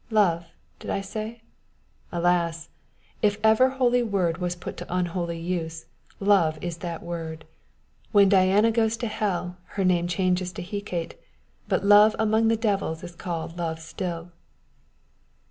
Love! did I say? Alas! if ever holy word was put to unholy use, love is that word! When Diana goes to hell, her name changes to Hecate, but love among the devils is called love still!